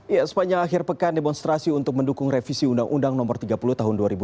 ya sepanjang akhir pekan demonstrasi untuk mendukung revisi undang undang no tiga puluh tahun dua ribu tujuh belas